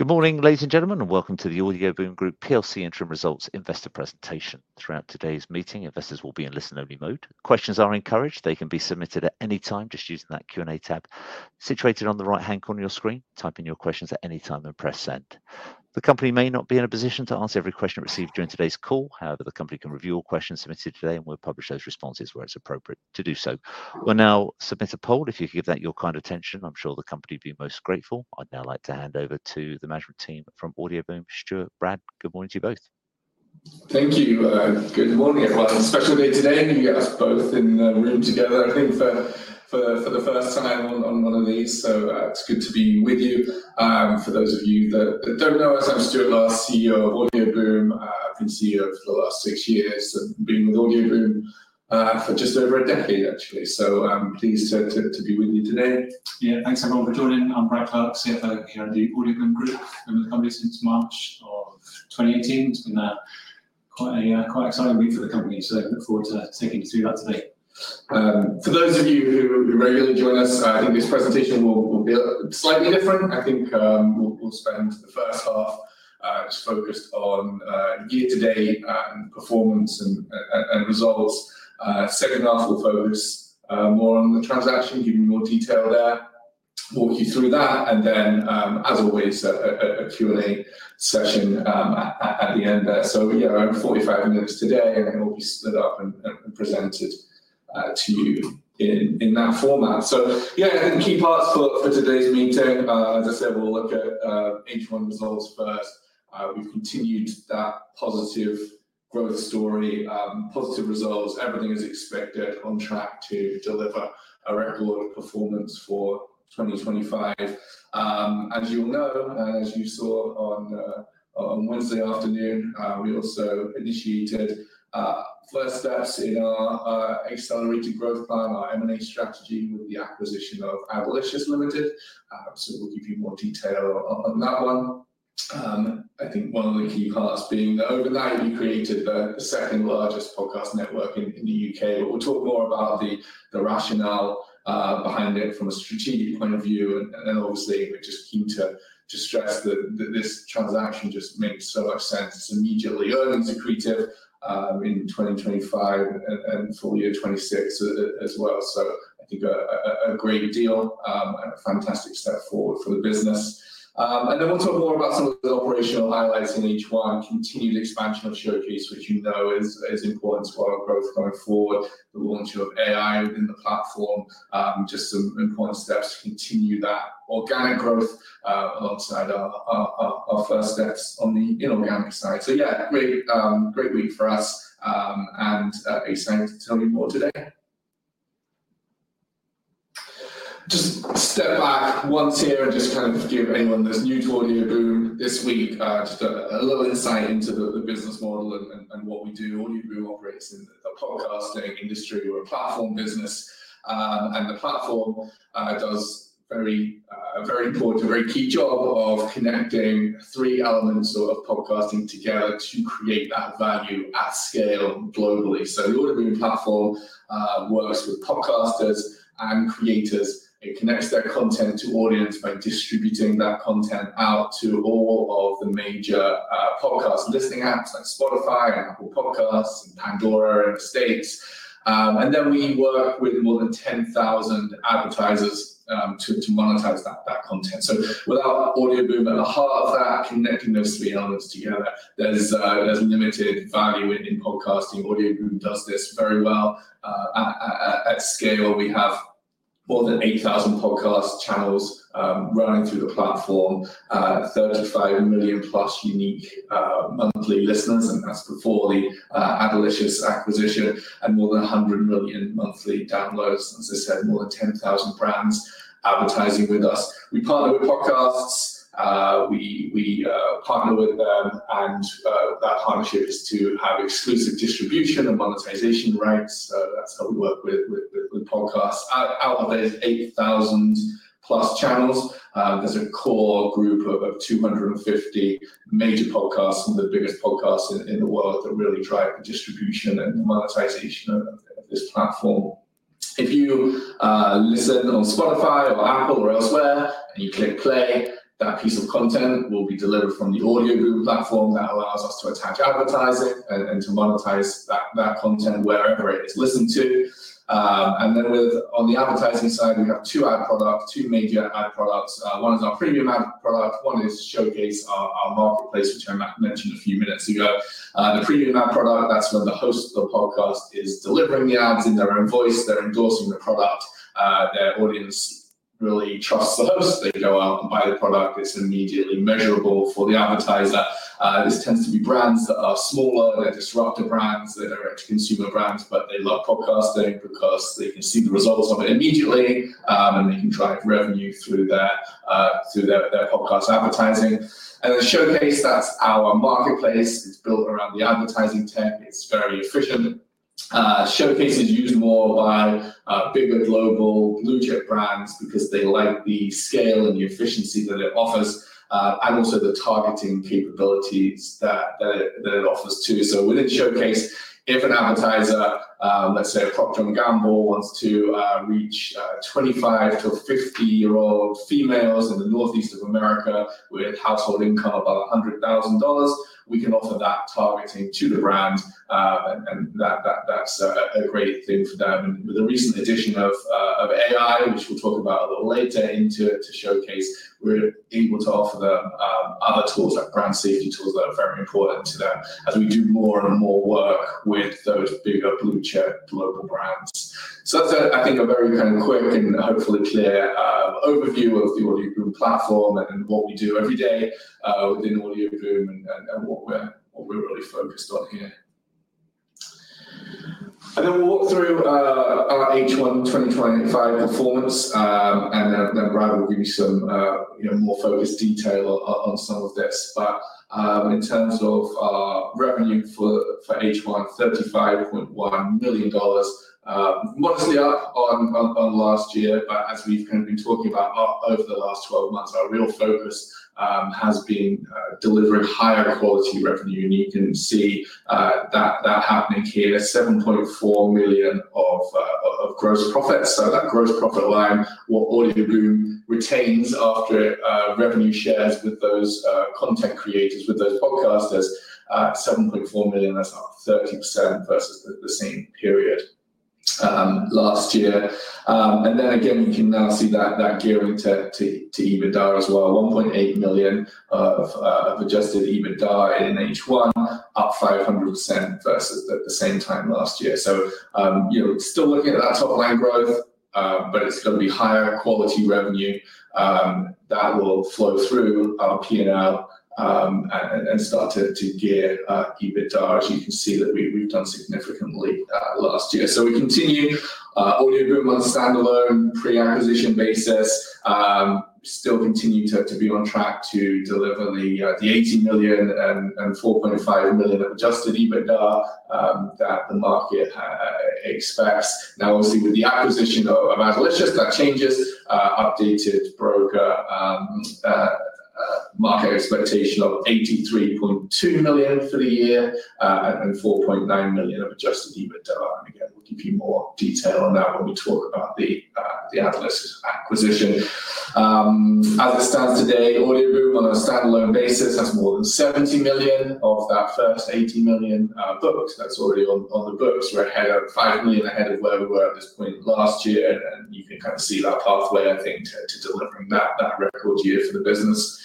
Good morning, ladies and gentlemen, and welcome to the Audioboom Group Plc interim results investor presentation. Throughout today's meeting, investors will be in listener only mode. Questions are encouraged, they can be submitted at any time just using that Q&A tab situated on the right-hand corner of your screen. Type in your questions at any time and press send. The company may not be in a position to answer every question it receives during today's call, however, the company can review all questions submitted today and will publish those responses where it's appropriate to do so. We'll now submit a poll. If you could give that your kind attention, I'm sure the company would be most grateful. I'd now like to hand over to the management team from Audioboom. Stuart, Brad, good morning to you both. Thank you, and good morning, Colin. It's a beautiful day today, and you've got us both in the room together, I think, for the first time on one of these, so it's good to be with you. For those of you that don't know us, I'm Stuart Last, CEO of Audioboom and CEO for the last six years. I've been with Audioboom for just over a decade, actually, so I'm pleased to be with you today. Yeah, thanks everyone for joining. I'm Brad Clarke, CFO here at Audioboom Group. I've been in the company since March of 2018, so quite a time away from the company. I look forward to taking this with you up today. For those of you who regularly join us, I think this presentation will be slightly different. I think we'll spend the first half focused on year-to-date performance and results. The second half will focus more on the transaction, giving more detail there, walk you through that, and then, as always, a Q&A session at the end. We are on 45 minutes today, and then we'll be split up and presented to you in that format. I think the key parts for today's meeting, as I said, we'll look at H1 results first. We've continued that positive growth story, positive results, everything as expected, on track to deliver a record performance for 2025. As you all know, as you saw on Wednesday afternoon, we also initiated first steps in our accelerated growth plan, our M&A strategy, with the acquisition of Adelicious Ltd. We'll give you more detail on that one. I think one of the key parts being that overnight we created the second largest podcast network in the U.K.. We'll talk more about the rationale behind it from a strategic point of view, and obviously just keen to stress that this transaction just makes so much sense. It's immediately earnings-accretive in 2025 and for year 2026 as well, so I think a great deal, a fantastic step forward for the business. We'll talk more about some of the operational highlights in H1, continued expansion of Showcase, which you know is important to our growth going forward. The launch of AI within the platform, just some important steps to continue that organic growth alongside our first steps on the ERP side. Great week for us, and excited to tell you more today. Just to set a one tier and just kind of give anyone that's new to Audioboom this week, just a little insight into the business model and what we do. Audioboom operates as a podcasting and distributor platform business, and the platform does a very important and very key job of connecting three elements of podcasting together to create that value at scale globally. The Audioboom platform works with podcasters and creators and connects their content to audiences by distributing that content out to all of the major podcasts for listening apps, Spotify, Apple Podcasts, and Pandora of the States. We work with more than 10,000 advertisers to monetize that content. With Audioboom at the heart of that, connecting those three elements together, there's limited value in podcasting. Audioboom does this very well at scale. We have more than 8,000 podcast channels running through the platform, 35 million plus unique monthly listeners, and that's before the Adelicious acquisition, and more than 100 million monthly downloads. As I said, more than 10,000 brands advertising with us. We partner with podcasts. We partner with them, and that partnership is to have exclusive distribution and monetization rights. We work with podcasts out of those 8,000+ channels. There's a core group of about 250 major podcasts and the biggest podcasts in the world that really drive the distribution and the monetization of this platform. If you listen on Spotify or Apple or elsewhere and you click play, that piece of content will be delivered from the Audioboom platform. That allows us to attach advertising and to monetize that content wherever it's listened to. On the advertising side, we've got two ad products, two major ad products. One is our Premium ad product. One is Showcase, our marketplace, which I mentioned a few minutes ago. The Premium ad product, that's when the host of the podcast is delivering the ads in their own voice. They're endorsing the product. Their audience really trusts us. They go out and buy the product. It's immediately measurable for the advertiser. This tends to be brands that are smaller. We have disruptive brands. They don't react to consumer brands, but they love podcasting because they can see the results of it immediately, and they can drive revenue through their podcast advertising. Showcase, that's our marketplace. It's built around the advertising tech. It's very efficient. Showcasing even more why bigger global blue-chip brands, because they like the scale and the efficiency that it offers and also the targeting capabilities that it offers too. Within Showcase, if an advertiser, let's say Procter & Gamble, wants to reach 25-50-year-old females in the Northeast of America with household income of about $100,000, we can offer that targeting to the brand, and that's a great thing for them. The recent addition of AI, which we'll talk about a little later into Showcase, we're able to offer them other tools, like home safety tools that are important to them. We do more and more work with those bigger blue-chip global brands. That's, I think, a very kind of quick and hopefully clear overview of the Audioboom platform and what we do every day within Audioboom and what we're really focused on here. We will walk through our H1 2025 performance, and then Brad will give you some more focused detail on some of this. In terms of our revenue for H1, $75.1 million monthly on last year. As we've kind of been talking about over the last 12 months, our real focus has been delivering higher quality revenue, and you can see that happening here. There's $7.4 million of gross profits. That gross profit line is what Audioboom retains after revenue shares with those content creators, with those podcasters, $7.4 million. That's up 30% vs the same period last year. You can now see that gearing to EBITDA as well. $1.8 million of adjusted EBITDA in H1, up 500% vs the same time last year. It's still working at that top line growth, but it's going to be higher quality revenue that will flow through our P&L and start to gear EBITDA as you can see that we've done significantly last year. We continue Audioboom on a standalone pre-acquisition basis, still continuing to be on track to deliver the $18 million and $4.5 million adjusted EBITDA that the market expects. Obviously with the acquisition of Adelicious, that changes. Updated broker market expectation of $83.2 million for the year and $4.9 million adjusted EBITDA. Give you more detail on that when we talk about the Adelicious acquisition. As it stands today, Audioboom on a standalone basis has more than $70 million of that first $18 million that's already on the books, $5 million ahead of where we were last year. You can kind of see that pathway, I think, to deliver that record year for the business.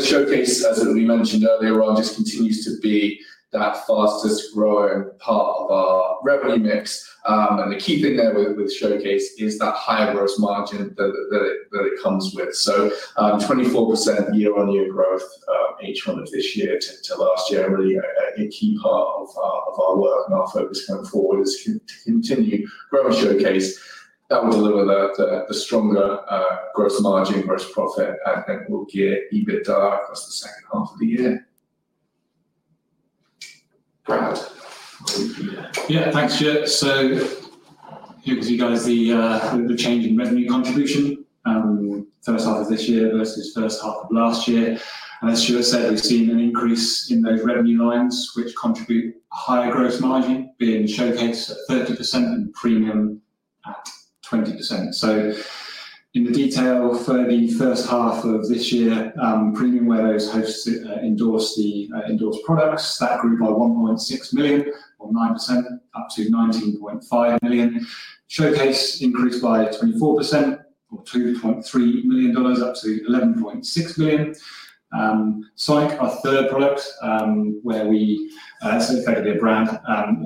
Showcase, as we mentioned earlier on, just continues to be that fastest growing part of our revenue mix. The key thing there with Showcase is that higher gross margin that comes with it. 24% year-on-year growth H1 of this year to last year, really a key part of the forward. This is going forward. It should continue growing Showcase that will deliver the stronger growth margin versus profit and will gear EBITDA across the second half of the year. Yeah, thanks Stuart. Here we see that as the over-changing revenue contribution first half of this year vs first half of last year. As Stuart said, we've seen an increase in those revenue lines which contribute higher gross margin, being Showcase at 30% and Premium 20%. In the detail for the first half of this year, Premium, where those hosts endorse the endorsed products, that grew by $1.6 million, or 9%, up to $19.5 million. Showcase increased by 24%, or $2.3 million, up to $11.6 million. Sonic, our third product, where we associate a bit of brand,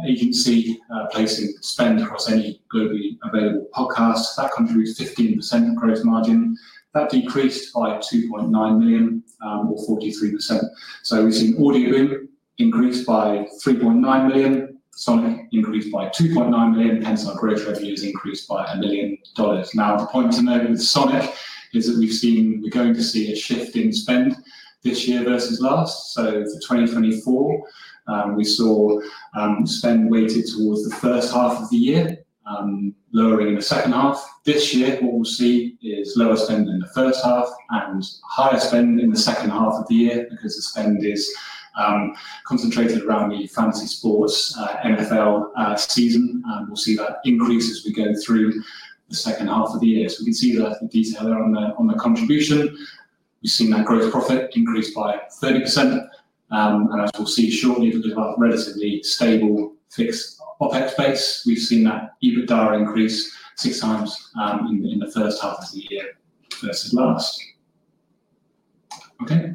agency-based spend across any globally available podcasts, that contributes 15% of gross margin. That decreased by $2.9 million, or 43%. We've seen Audioboom increase by $3.9 million, Sonic increase by $2.9 million, hence our gross revenue has increased by $1 million. The point in there with Sonic is that we've seen we're going to see a shift in spend this year vs last. For 2024, we saw spend weighted towards the first half of the year, lowering in the second half. This year, what we'll see is lower spend in the first half and higher spend in the second half of the year because the spend is concentrated around the fantasy sports NFL season. We'll see increases as we go through the second half of the year. We can see that the detail there on the contribution. We've seen that gross profit increase by 30%. Of course, see surely that we've got a relatively stable fixed profit base. We've seen that EBITDA increase 6x in the first half of the year vs last.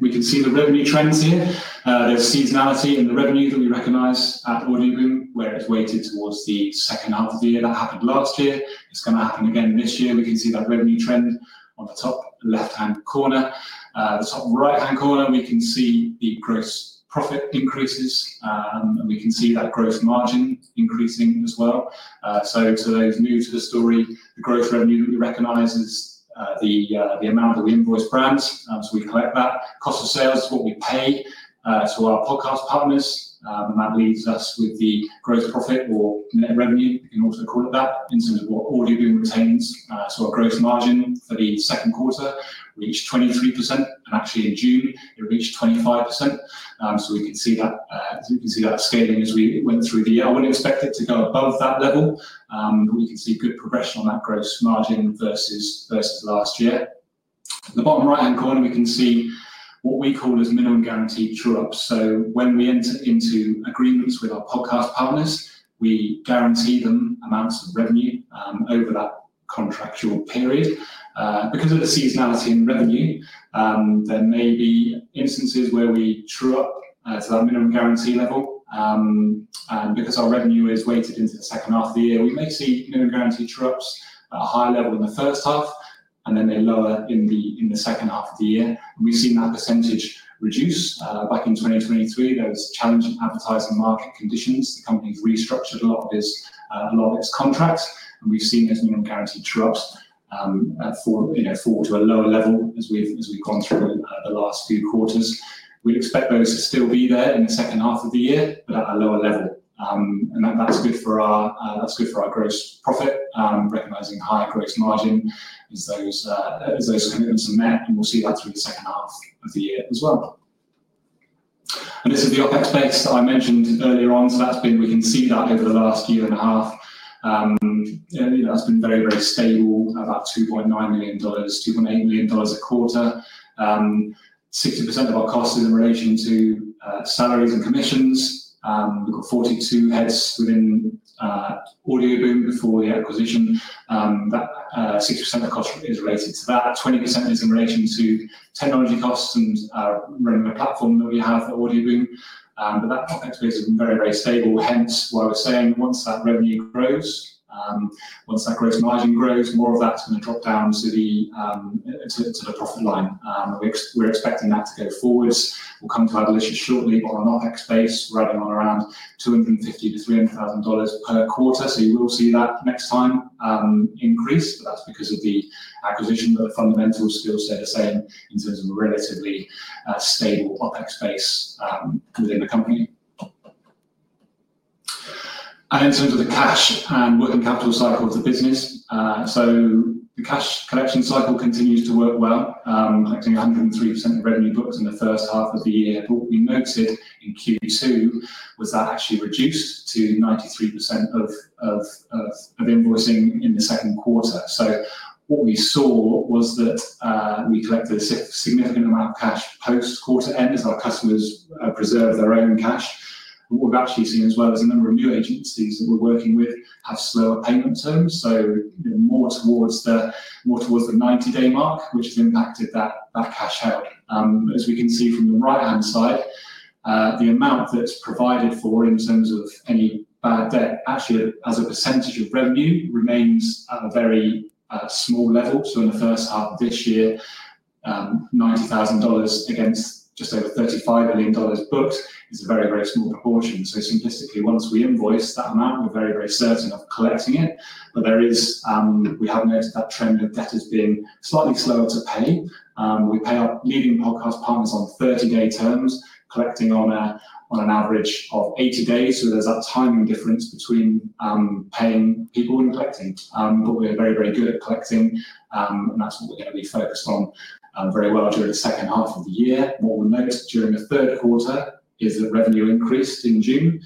We can see the revenue trends here. There's seasonality in the revenue that we recognize at Audioboom, where it's weighted towards the second half of the year that happened last year. It's going to happen again this year. We can see that revenue trend on the top left-hand corner. The top right-hand corner, we can see profit increases, and we can see that gross margin increasing as well. To those new to the story, the gross revenue that we recognize is the amount that we invoice brands. We collect that cost of sales to what we pay to our podcast partners, and that leaves us with the gross profit or net revenue, if you want to call it that, into what Audioboom retains. Our gross margin for the second quarter reached 23%, and actually in June, it reached 25%. We can see that, as we can see that scaling as we went through the year. I wouldn't expect it to go above that level, but we can see good progression on that gross margin versus last year. In the bottom right-hand corner, we can see what we call as minimum guaranteed true ups. When we enter into agreements with our podcast partners, we guarantee them amounts of revenue over that contractual period. Because of the seasonality in revenue, there may be instances where we true up to that minimum guarantee level. Because our revenue is weighted into the second half of the year, we may see minimum guaranteed true ups at a higher level in the first half, and then they lower in the second half of the year. We've seen that percentage reduce. Back in 2023, there were challenging advertising market conditions. The company's restructured a lot of its contracts, and we've seen these minimum guaranteed true ups fall to a lower level as we've gone through the last few quarters. We'd expect those to still be there in the second half of the year at a lower level. That's good for our gross profit, recognizing higher gross margin as those are coming in. We'll see that through the second half of the year as well. This is the OpEx space that I mentioned earlier on. We can see that over the last year and a half, and that's been very, very stable at about $3.9 million, $2.8 million a quarter. 60% of our costs are in relation to salaries and commissions. We've got 42 heads within Audioboom before the acquisition. That 60% of cost is related to that. 20% is in relation to technology costs in our platform that we have for Audioboom. That is a very, very stable event where we're saying once that revenue grows, once that gross margin grows, more of that is going to drop down to the profit line. We're expecting that to go forwards. We'll come to Adelicious shortly on an OpEx space rather than around $250,000-$300,000/quarter. You will see that next time increase, but that's because of the acquisition work from fundamentals that is in terms of a relatively stable OpEx space within the company. In terms of the cash, we're in capital cycle of the business. The cash collection cycle continues to work well, collecting 103% of revenue booked in the first half of the year. What we noticed in Q2 was that actually reduced to 93% of invoicing in the second quarter. We saw that we collected a significant amount of cash post-quarter end as our customers preserved their own cash. What we've actually seen as well is a number of new agencies that we're working with had slower payment terms, more towards the 90-day mark, which impacted that cash flow. As we can see from your right-hand side, the amount that's provided for in terms of any bad debt, actually, as a percentage of revenue, remains at a very small level. In the first half of this year, $90,000 against, just say, $35 million booked, is a very, very small portion. Simplistically, once we invoice that amount, we're very, very certain of collecting it. We have noticed that trend that has been slightly slower to pay. We pay our leading podcast partners on 30-day terms, collecting on an average of 80 days. There's that time difference between paying people and collecting. We're very, very good at collecting, and that's what we focus on very well during the second half of the year. What we'll note during the third quarter is that revenue increased in June.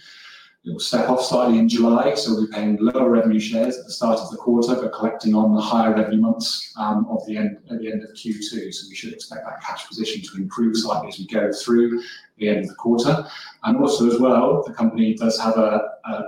It will step off slightly in July, so we'll be paying lower revenue shares at the start of the quarter, but collecting on the higher revenue months at the end of Q2. We should expect that cash position to improve as well as we go through the end of the quarter. Also, the company does have a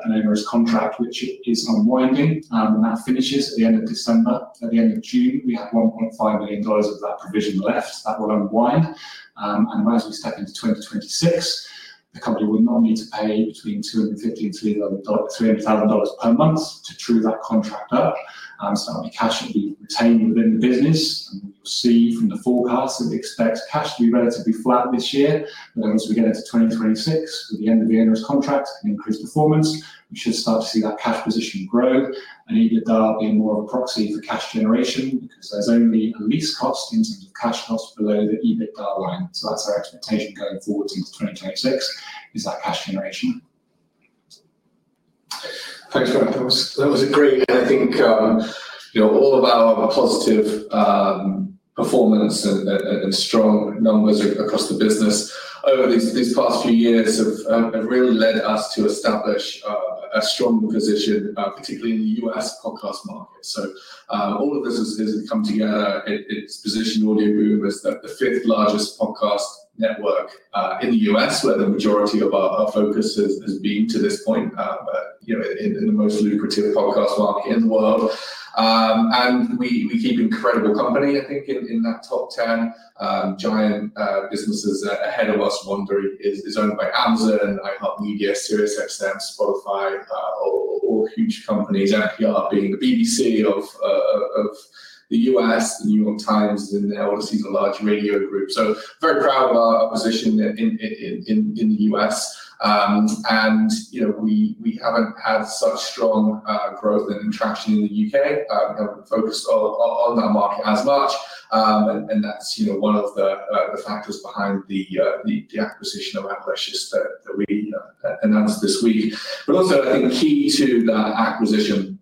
numerous contract, which is unwinding, and that finishes at the end of December. At the end of June, we have $1.5 million of provision left that will unwind. As we step into 2026, the company will not need to pay between $250,000 and $300,000/month to true that contract up. That will be cash that we retain within the business. From the forecast, we expect cash to be relatively flat this year. As we get into 2026, at the end of the year with contract and increased performance, we should start to see that cash position grow and EBITDA be more of a proxy for cash generation because there's only lease costs into the cash cost below the EBITDA line. That's our strategic goal forward into 2026 is that cash generation. Thanks. That was great. I think all of our positive performance and strong numbers across the business over these past few years have really led us to establish a strong position, particularly in the U.S. podcast market. All of this has come together to position Audioboom as the fifth largest podcast network in the U.S., where the majority of our focus has been to this point in the most lucrative podcast market in the world. We keep an incredible company, I think, in that top 10. Giant businesses ahead of us. One group is owned by Amazon, iHeartMedia, SiriusXM, Spotify. All huge companies actually are being the BBC of the U.S., New York Times, and they're obviously the large radio groups. Very proud of our position in the U.S. We haven't had such strong growth and traction in the U.K. and focused on the market as much. That's one of the factors behind the acquisition of Adelicious Ltd. that we announced this week. Also, I think key to that acquisition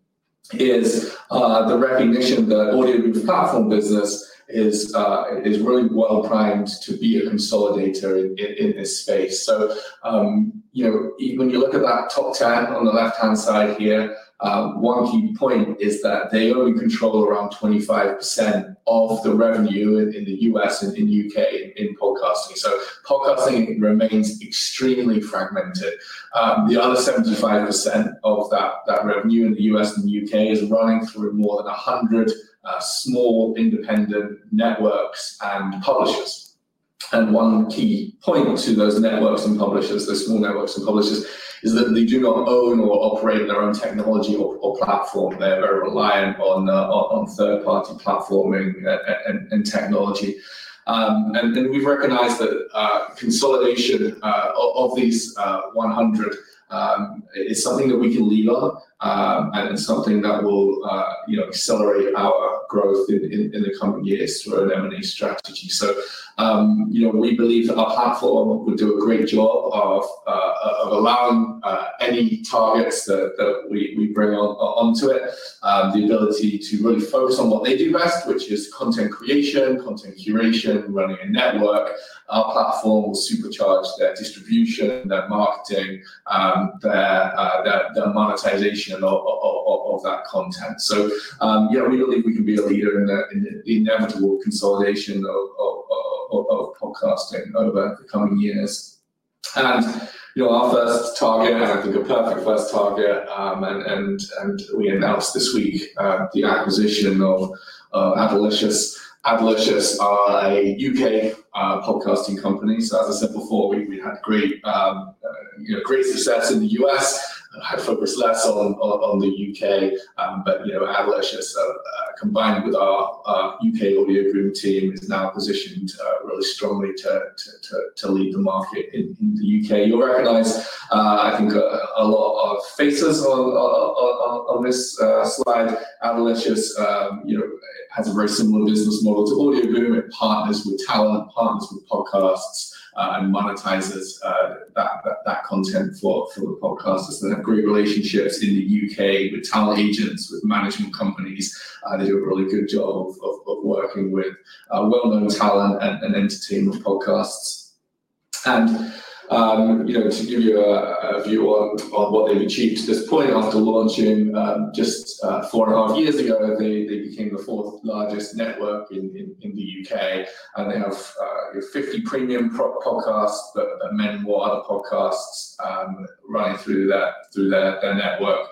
is the revenue and the Audioboom platform business is really well primed to be a consolidator in this space. When you look at that top 10 on the left-hand side here, one key point is that they own control around 25% of the revenue in the U.S. and the U.K. in podcasting. Podcasting remains extremely fragmented. The other 75% of that revenue in the U.S. and the U.K. is running through more than 100 small independent networks and publishers. One key point to those networks and publishers, those small networks and publishers, is that they do not own or operate their own technology or platform. They're reliant on third-party platforming and technology. We've recognized that consolidation of these 100 is something that we can lead on and it's something that will accelerate our growth in the coming years through an M&A strategy. We believe that our platform will do a great job of allowing any targets that we bring onto it, the ability to really focus on what they do best, which is content creation, content curation, running a network. Our platform will supercharge their distribution, their marketing, their monetization of that content. We believe we can be a leader in the inevitable consolidation over the coming years. On the target, I think a perfect first target, and we announced this week the acquisition of Adelicious. Adelicious are a U.K. podcasting company. As I said before, we had great success in the U.S., have focused less on the U.K., but Adelicious, combined with our U.K. Audioboom team, is now positioned really strongly to lead the market in the U.K.. You'll recognize, I think, a lot of faces on this slide. Adelicious has a very similar business model to Audioboom, partners with talent, partners with podcasts, and monetizes content for the podcasters. They have great relationships in the U.K. with talent agents, with management companies. They do a really good job of working with well-known talent and entertainment podcasts. To give you a view on what they've achieved at this point after launching just four and a half years ago, they became the fourth largest network in the U.K. They have 50 premium podcasts, many wider podcasts running through their network.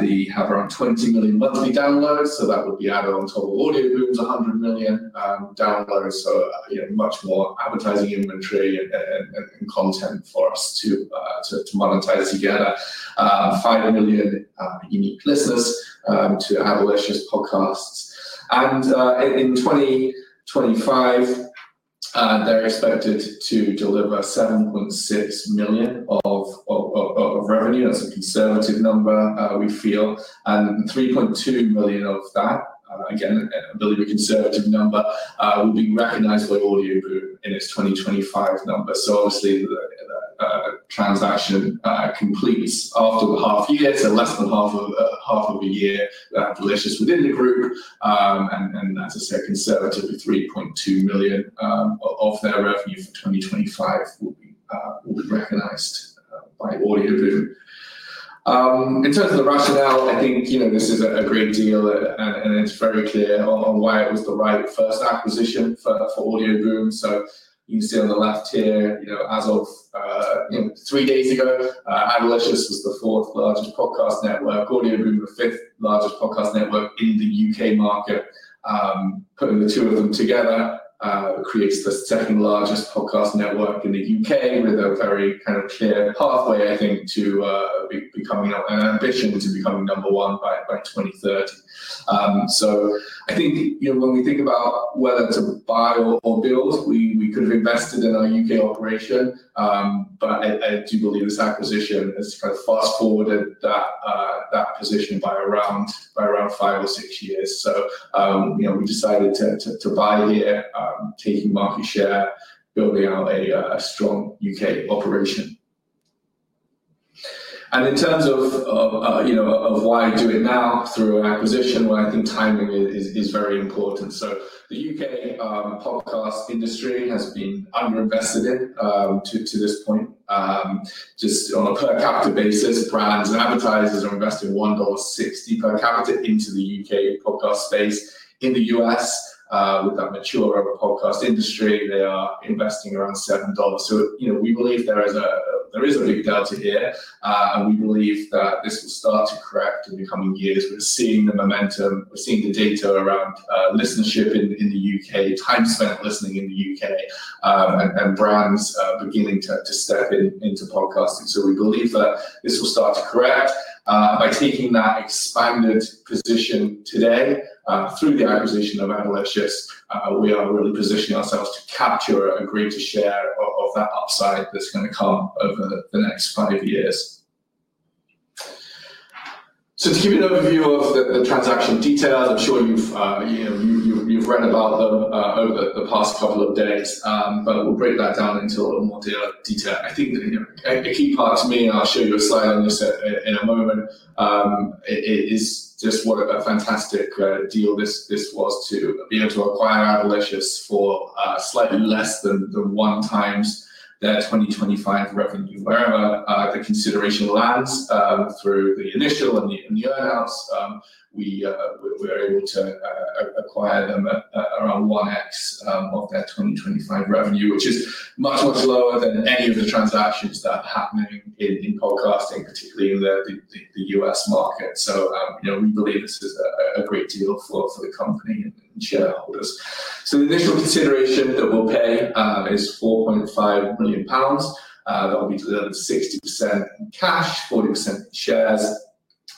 They have around 20 million monthly downloads, so that would be added on top of Audioboom's 100 million downloads, so much more advertising inventory and content for us to monetize together. Five million unique listeners to Adelicious podcasts. In 2025, they're expected to deliver $7.6 million of revenue. That's a conservative number, we feel $3.2 million of that, again, a very conservative number, will be recognized by Audioboom in its 2025 number. Obviously, the transaction completes after the half year, so less than half of a year Adelicious within the group. That's a step conservatively, $3.2 million of their revenue for 2025 will be recognized by Audioboom. In terms of the rationale, I think this is a great deal, and it's very clear on why it was the right first acquisition for Audioboom. You can see on the left here, as of three days ago, Adelicious was the fourth largest podcast network. Audioboom is the fifth largest podcast network in the U.K. market. Putting the two of them together creates the second largest podcast network in the U.K. with a very kind of clear pathway, I think, to becoming an ambition to become number one by 2030. When we think about whether to buy or build, we could have invested in our U.K. operation, but I do believe this acquisition has kind of fast-forwarded that position to around five or six years. We decided to buy, taking market share, building out a strong U.K. operation. In terms of why do it now through an acquisition, I think timing is very important. The U.K. podcast industry has been underinvested in to this point. Just on a per character basis, brands and advertisers are investing $1.60 per character into the U.K. podcast space. In the U.S., with that mature of a podcast industry, they are investing around $7. We believe there is a big delta here, and we believe that this will start to correct in the coming years. We've seen the momentum. We're seeing the data around listenership in the U.K., time spent listening in the U.K., and brands beginning to step into podcasting. We believe that this will start to correct by taking that expanded position today through the acquisition of Adelicious. We are really positioning ourselves to capture a greater share of that upside that's going to come over the next five years. To give you an overview of the transaction detail, I'm sure you've read about it over the past couple of days, but we'll break that down into a little more detail. I think a key part to me, and I'll show you a slide on this in a moment, is just what a fantastic deal this was to be able to acquire Adelicious for slightly less than one times their 2025 revenue. Where the consideration will add through the initial and the earnouts, we were able to acquire them around 1x of the 2025 revenue, which is much, much lower than any of the transactions that happen in podcasting, particularly in the U.S. market. We believe this was a great deal for the company in general. The initial consideration that we'll pay is 4.5 million pounds. That will be delivered 60% in cash, 40% in shares.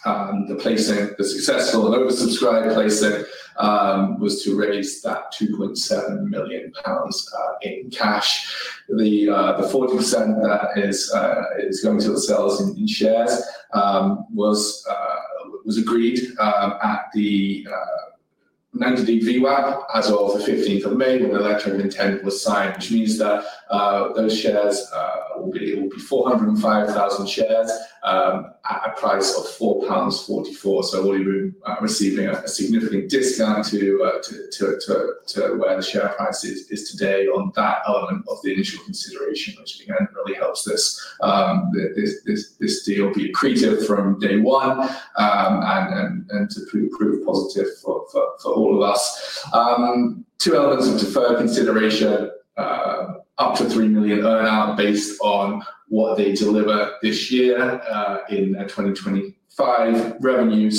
The successful and oversubscribed placing was to raise that 2.7 million pounds in cash. The 40% of that is going to sales in shares was agreed at the mandated VWAP as well as the 15th of May, and the letter of intent was signed Tuesday. Those shares will be 405,000 shares at a price of 4.44 pounds. We'll be receiving a significant discount to where the share price is today on that element of the initial consideration, which really helps this. This deal will be printed from day one and to prove positive for all of us. Two elements of deferred consideration: up to 3 million earnout based on what they deliver this year in 2025 revenue.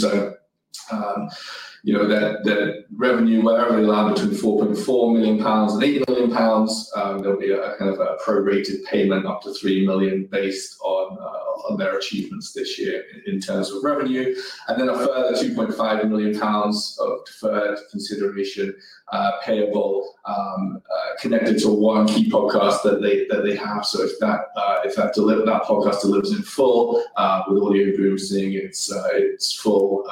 Their revenue will run between 4 million pounds and 8 million pounds. There will be a kind of prorated payment up to 3 million based on their achievements this year in terms of revenue. Then a further 2.5 million pounds of deferred consideration payable connected to one key podcast that they have. It's that podcast delivered in full with Audioboom seeing its full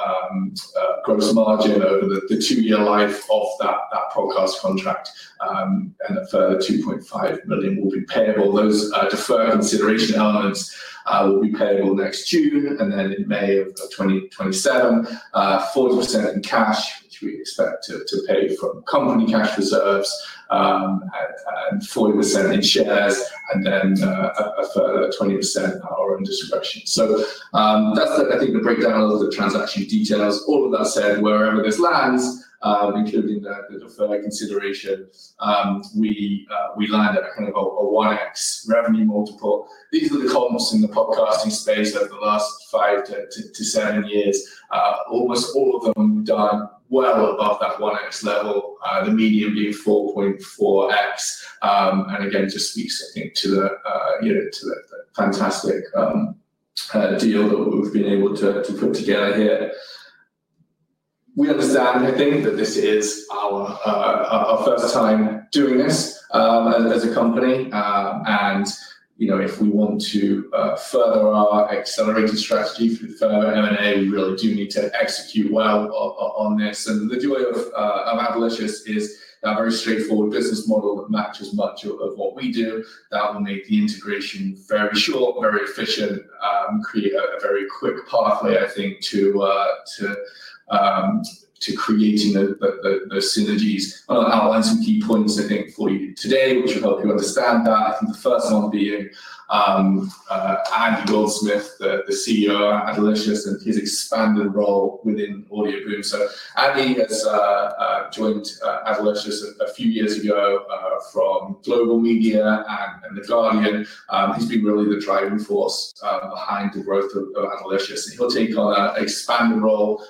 gross margin over the two-year life of that podcast contract. The 2.5 million will be payable. Those deferred consideration elements will be payable next June and then in May of 2027. 40% in cash, which we expect to pay from company cash reserves, 40% in shares, and then 20% in distribution. That's the breakdown of the transaction details. All of that said, wherever this lands, including the deferred consideration, we've landed a 1x revenue multiple. These will become almost in the podcasting space over the last five to seven years. Almost all of them done well above that 1x level, the median being 4.4x. That just speaks to the fantastic deal that we've been able to put together here. We understand that this is our first time doing this as a company. If we want to further our accelerated strategy through the M&A, we really do need to execute well on this. The joy of Adelicious is a very straightforward business model that matches much of what we do. That will make the integration very short, very efficient, and create a very quick pathway to creating the synergies. I'll answer some key points for you today, which I hope you understand. The first one being Andy Goldsmith, the CEO of Adelicious, and his expanded role within Audioboom. Andy had joined Adelicious a few years ago from Global Media and The Guardian. He's been really the driving force behind the growth of Adelicious. He'll take on an expanding role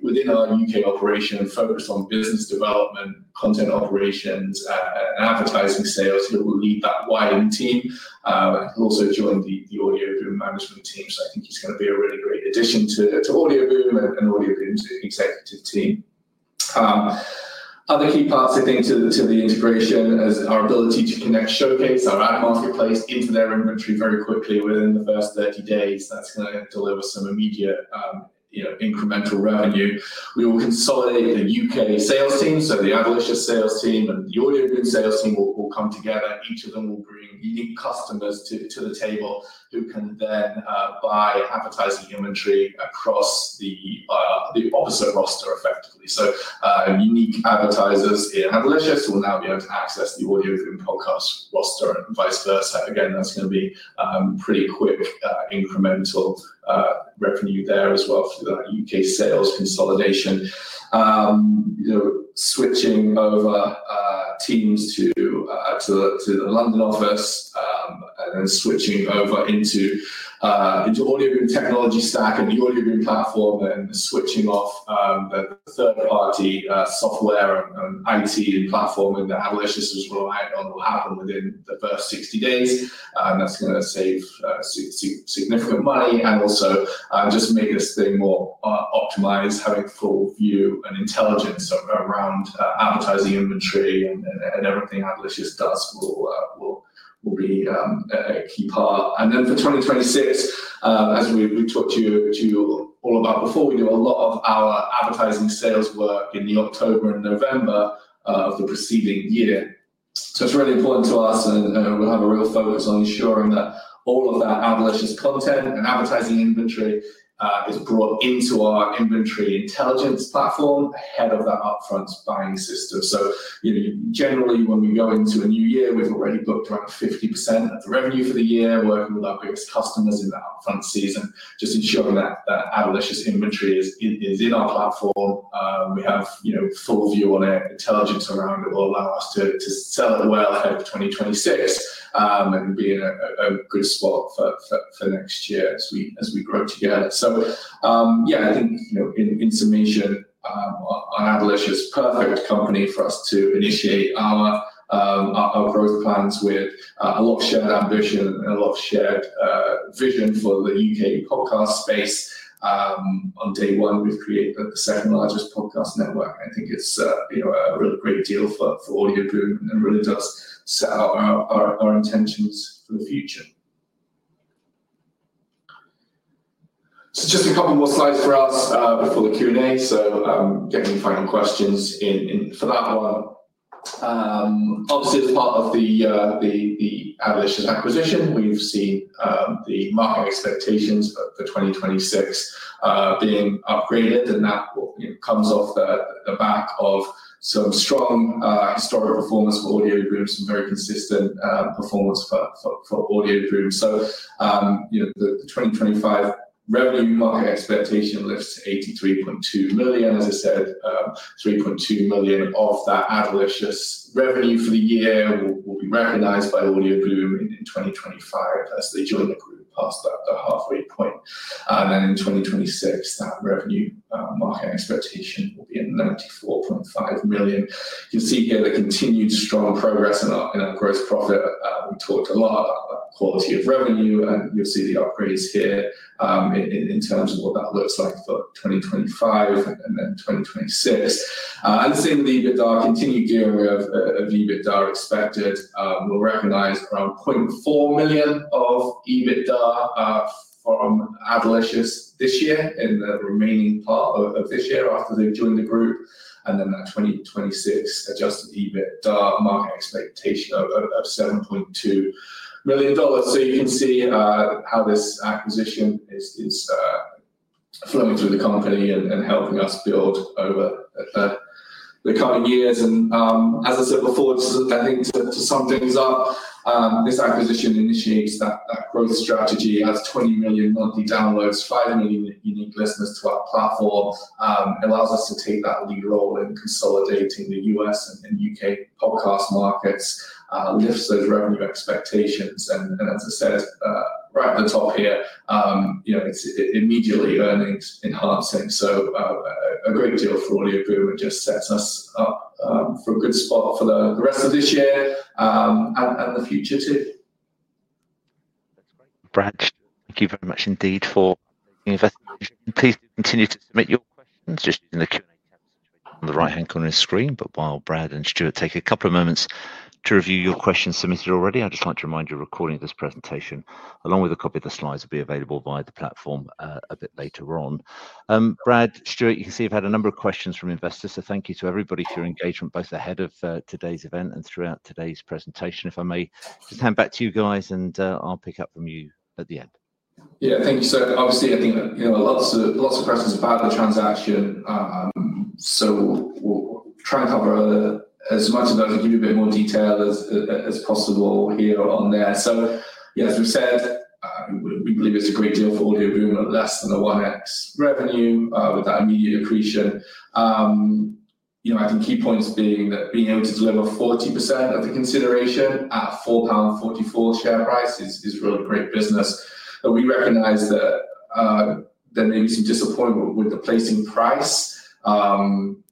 within our U.K. operation and focus on business development, content operations, and advertising sales. He will lead that wider team. He'll also join the Audioboom management team. He's going to be in addition to Audioboom and Audioboom's executive team. Other key parts to the integration are our ability to connect Showcase to our ad marketplace, get to their inventory very quickly within the first 30 days. That's going to deliver some immediate incremental revenue. We will consolidate the U.K. sales team. The Adelicious sales team and the Audioboom sales team will come together. Each of them will bring unique customers to the table who can then buy advertising inventory across the box of roster, effectively. Unique advertisers in Adelicious will now be able to access the Audioboom podcast roster and vice versa. Again, that's going to be pretty quick incremental revenue there as well for that U.K. sales consolidation. Switching over teams to the London office and switching over into Audioboom technology stack and the Audioboom platform and switching off a third-party software and executing platform. Adelicious will happen within the first 60 days, and that's going to save significant money and also just make this thing more optimized. Hope for you and intelligence around advertising inventory and everything Adelicious does will be a key part. For 2026, as we've talked to you all about before, we knew a lot of our advertising sales were in the October and November of the preceding year. It's really important to us, and we'll have a real focus on ensuring that all of that Adelicious content and advertising inventory is brought into our inventory intelligence platform ahead of that upfront buying system. You know generally, when we go into a new year, we've already booked about 50% revenue for the year. We're working with our biggest customers in the upfront season just to show that Adelicious inventory is in our platform. We have full view on it. Intelligence around it will allow us to sell it well ahead of 2026 and be in a good spot for next year as we grow together. I think in summation, Adelicious is a perfect company for us to initiate our growth plans with a lot of shared ambition and a lot of shared vision for the U.K. podcast space. On day one, we've created the second largest podcast network. I think it's a really great deal for Audioboom and really does set our intentions for the future. Just a couple more slides before the Q&A, so get any final questions in for that. Obviously, as part of the Adelicious acquisition, we've seen the market expectations for 2026 being upgraded, and that comes off the back of some strong historical performance for Audioboom and very consistent performance for Audioboom. The 2025 revenue market expectation lifts to $83.2 million. As I said, $3.2 million of that Adelicious revenue for the year will be recognized for Audioboom in 2025 as the joint cost. In 2026, that revenue market expectation will be at $94.5 million. You can see here we continue to strong progress in our gross profit. We talked a lot about quality of revenue, and you'll see the upgrades here in terms of what that looks like for 2025 and then 2026. The same with EBITDA. Continued growth of EBITDA expected. We'll recognize around $0.4 million of EBITDA from Adelicious this year and the remaining part of this year after they've joined the group. The 2026 adjusted EBITDA market expectation of up to $7.2 million shows how this acquisition is flowing through the company and helping us build over the coming years. As I said before, I think it's better to sum things up. This acquisition initiates that growth strategy as 20 million monthly downloads finally meeting the unique listeners to our platform and allows us to take that lead role in consolidating the U.S. and U.K. podcast markets, lifts those revenue expectations. As I said at the top here, you know it's immediately earnings-accretive. A great deal for Audioboom and just sets us for a good spot for the rest of this year and the future too. Brad, thank you very much indeed for being with us. Please continue to submit your questions just in the Q&A on the right-hand corner of the screen. While Brad and Stuart take a couple of moments to review your questions submitted already, I just want to remind you a recording of this presentation, along with a copy of the slides, will be available via the platform a bit later on. Brad, Stuart, you can see you've had a number of questions from investors. Thank you to everybody for your engagement both ahead of today's event and throughout today's presentation. If I may, I'll just hand back to you guys and I'll pick up from you at the end. Yeah, thank you, Stuart. Obviously, I think you have lots of questions about the transaction. We'll try and cover as much of it and give you a bit more detail as possible here on there. As we've said, we can give you a great deal for Audioboom at less than a 1x revenue with that immediate appreciation. I think key points being that being able to deliver 40% of the consideration at 4.44 pound share price is really great business. We recognize that there may be some disappointment with the placing price. I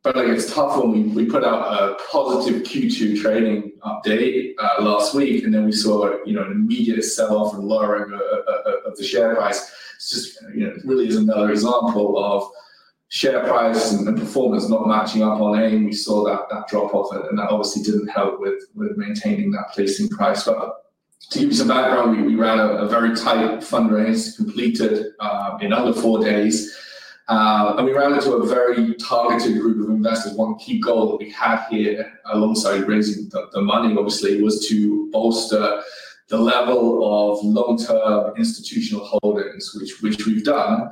think it's tough. We put out a positive Q2 trading update last week, and then we saw an immediate sell-off and lowering the share price. It's just really another example of share price and performance not matching up on AIM. We saw that drop off, and that obviously didn't help with maintaining that placing price. To give you some background, we ran a very tight fundraise completed in under four days. We ran into a very targeted group of investors. One key goal that we had here alongside raising the money, obviously, was to bolster the level of long-term institutional holdings, which we've done,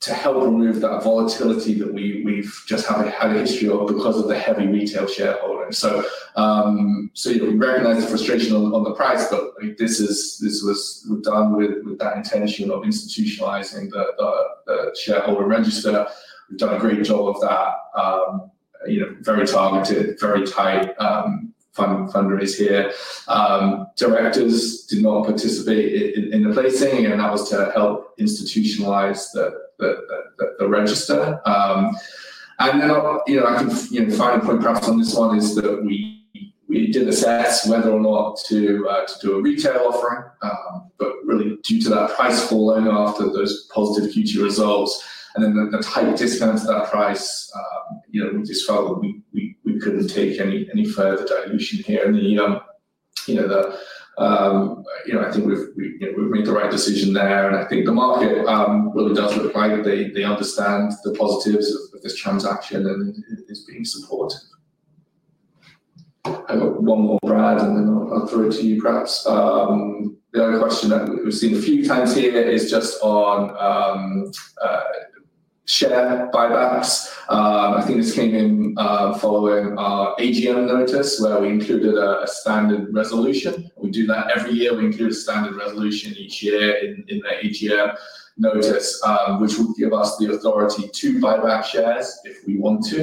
to help relieve that volatility that we just haven't had a history of because of the heavy retail shareholders. Bearing that frustration on the price, this was done with that intention of institutionalizing the shareholder register. We've done a great job of that. Very fun, I did a very tight fundraise here. Directors did not participate in the placing, and that was to help institutionalize the register. I think the final point perhaps on this one is that we did assess whether or not to do a retail offering due to that price falling after those positive Q2 results. The tighter discount to that price, we just felt that we couldn't take any further dilution here. I think we've made the right decision there. I think the market really does look like they understand the positives of this transaction and is giving support. One more brand and then I'll throw it to you perhaps. The other question that we've seen a few times here is just on share buybacks. I think this came in following our AGM notice where we included a standard resolution. We do that every year. We include a standard resolution each year in the AGM notice, which will give us the authority to buy back shares if we want to.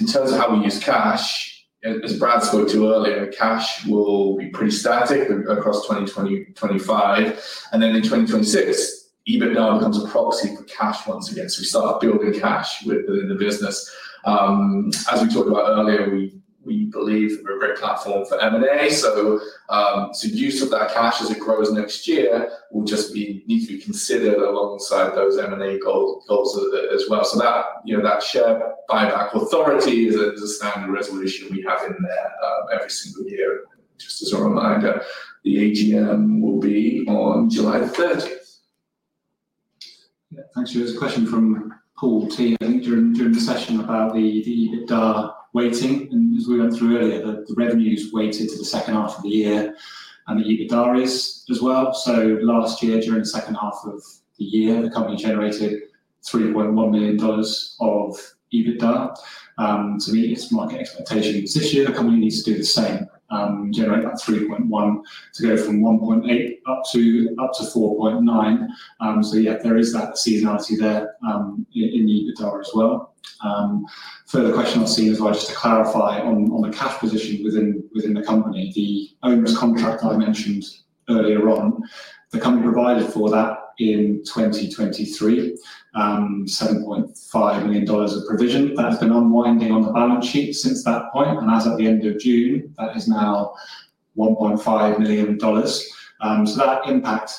In terms of how we use cash, as Brad spoke to earlier, cash will be pretty static across 2025. In 2026, EBITDA becomes a policy for cash once we get to start building cash within the business. As we talked about earlier, we believe that we're a great platform for M&A. The use of that cash as it grows next year will just be needed to be considered alongside those M&A goals as well. That share buyback authority is a standard resolution we have in every single year. Just as a reminder, the AGM will be on July 3rd. Thanks, Stuart. A question from Paul T. during the session about the EBITDA weighting, and as we went through earlier, the revenues weighted to the second half of the year and the EBITDA risk as well. Last year, during the second half of the year, the company generated $3.1 million of EBITDA. It's market expectation this year the company needs to do the same, generate that $3.1 million to go from $1.8 million up to $4.9 million. There is that seasonality there in the EBITDA as well. Further question I've seen as well, just to clarify on the cash position within the company, the owners' contract I mentioned earlier on, the company provided for that in 2023, $7.5 million of provision. That has been unwinding on the balance sheet since that point, and that's at the end of June. That is now $1.5 million. That impact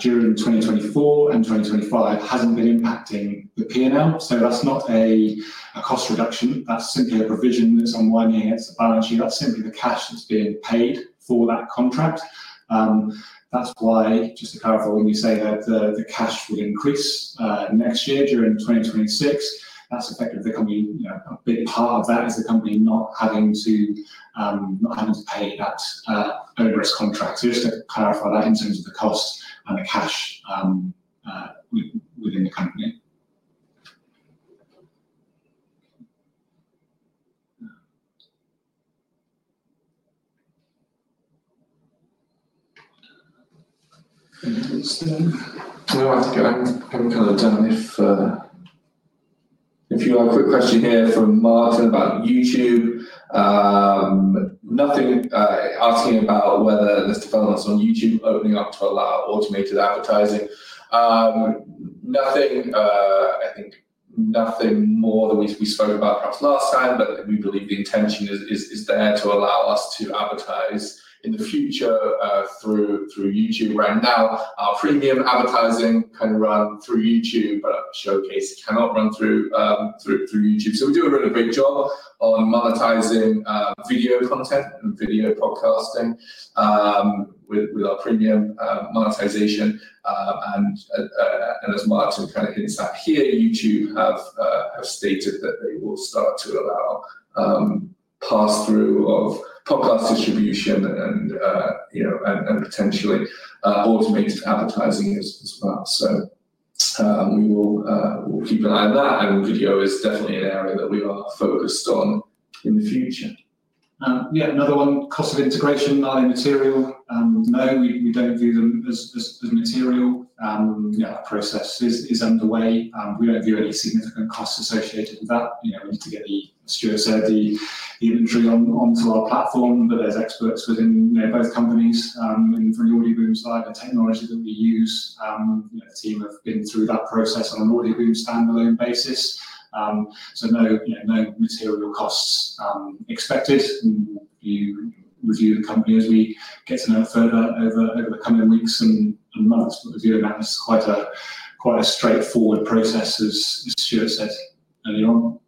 during 2024 and 2025 hasn't been impacting the P&L. That's not a cost reduction. That's simply a provision that's unwinding its balance sheet. That's simply the cash that's being paid for that contract. That's why, just to clarify, when you say that the cash will increase next year during 2026, that's the fact that the company is hard. That is the company not having to pay that owners' contract. Just to clarify, that incentive costs cash within the company. I think I'm probably kind of done this further. If you have a quick question here from Martin about YouTube, nothing asking about whether this deferral is on YouTube opening up to allow automated advertising. Nothing more than we spoke about perhaps last time, but we believe the intention is there to allow us to advertise in the future through YouTube. Now our premium advertising kind of runs through YouTube, but Showcase cannot run through YouTube. We do a really great job on monetizing video content and video podcasting with our premium monetization. As Mark has said here, YouTube has stated what's that to pass through of podcast distribution and potential automated advertising is as well. We will keep an eye on that, and video is definitely an area that we are focused on in the future. Yeah, another one, cost of integration, not only material. No, we don't view them as material. Process is underway. We don't view any significant costs associated with that. We need to get the, as Stuart said, the inventory onto our platform, but there's experts within both companies. I think from the Audioboom side, the technology that we use, the team has been through that process on an Audioboom standalone basis. No material costs expected. You review the company as we get to know it further over the coming weeks and months. Reviewing that is quite a straightforward process, as Stuart said earlier on.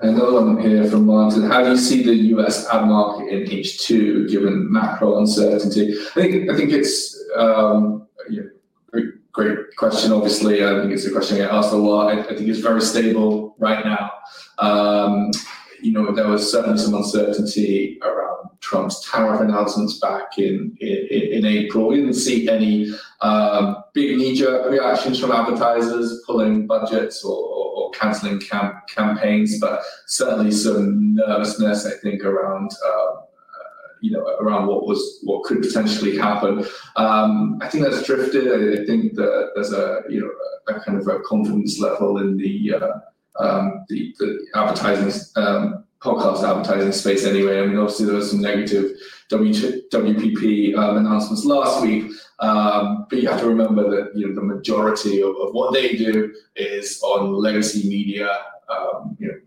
Another one here from Martin. How does see the U.S. ad market impact to given macro-uncertainty? I think it's a great question, obviously. I think it's a question I get asked a lot. I think it's very stable right now. There was certainly some uncertainty from tariff announcements back in April. We didn't see any big major reactions from advertisers pulling budgets or cancelling campaigns, but certainly some nervousness, I think, around what could potentially happen. I think that's drifted. I think that there's a kind of a confidence level in the podcast advertising space anyway. Obviously, there were some negative WPP announcements last week. You have to remember that the majority of what they do is on legacy media,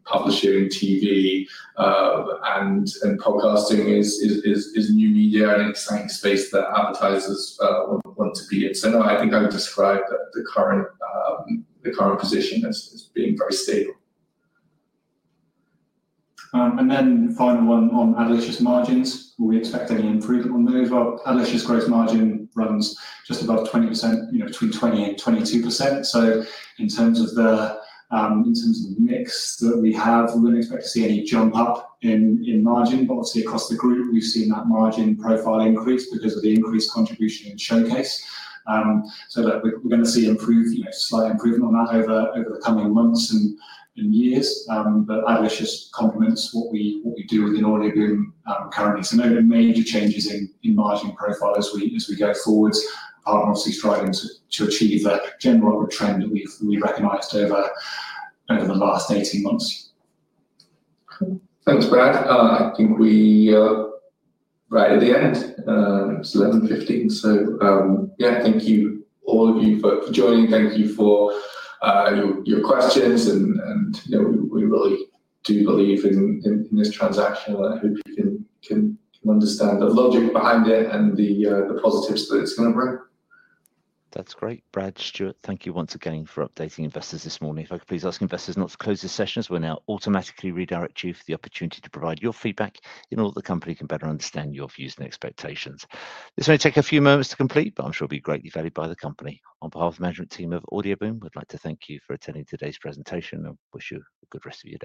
publishing TV, and podcasting is new media, and it's something space that advertisers want to be in. I think I've described current position as being very stable. The final one on Adelicious margins. Will we expect any improvement on those? Adelicious' gross margin runs just above 20%, between 20% and 22%. In terms of the mix that we have, we wouldn't expect to see any jump up in margin. Obviously, across the group, we've seen that margin profile increase because of the increased contribution in Showcase. We're going to see slight improvement on that over the coming months and years. Adelicious complements what we do within Audioboom currently. There may be changes in marginal profile as we go forward. I'll obviously strive to achieve that general trend that we've recognized over the last 18 months. Thanks, Brad. I think we are right at the end, 11:15 A.M. Thank you, all of you, for joining. Thank you for your questions. We really do believe in this transaction. I hope you can understand the logic behind it and the positives that it's delivering. That's great. Brad, Stuart, thank you once again for updating investors this morning. If I could please ask investors not to close this session, as we're now automatically redirecting you for the opportunity to provide your feedback in order that the company can better understand your views and expectations. This may take a few moments to complete, but I'm sure it'll be greatly valued by the company. On behalf of the management team of Audioboom, we'd like to thank you for attending today's presentation and wish you a good rest of your day.